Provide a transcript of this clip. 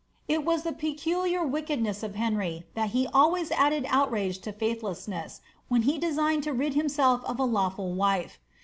It was the peculiar wickedness of Henry, that he always added oot rage to faithlessness, when he designed to rid himself of a lawful wife.